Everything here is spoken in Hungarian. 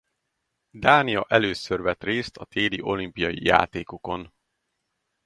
Dánia először vett részt a téli olimpiai játékokon.